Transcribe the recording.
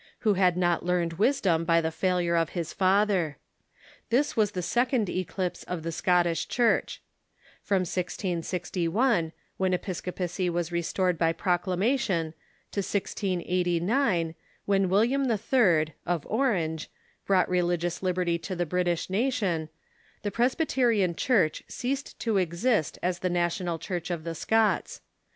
who had not learned wisdom by the failure of his father. This was the second ecliijse The End of ^^^ y Scottish Church. From IGGl, when ei)isco the Struggle .'' ]»acy was restored by proclamation, to IGiSO, when William III. (of Orange) brought religious liberty to the British nation, the Presbyterian Cyhurch ceased to exist as the national Church of the Scots.